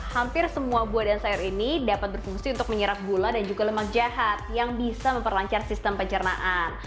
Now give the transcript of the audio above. hampir semua buah dan sayur ini dapat berfungsi untuk menyerap gula dan juga lemak jahat yang bisa memperlancar sistem pencernaan